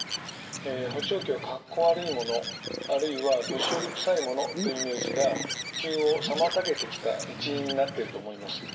補聴器をかっこ悪いものあるいは年寄りくさいものというイメージが普及を妨げてきた一因になっていると思います。